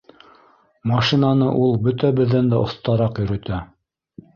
Машинаны ул бөтәбеҙҙән дә оҫтараҡ йөрөтә!